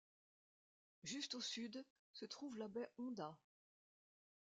Juste au sud se trouve la baie Honda.